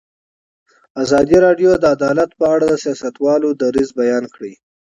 ازادي راډیو د عدالت په اړه د سیاستوالو دریځ بیان کړی.